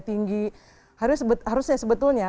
tinggi harusnya sebetulnya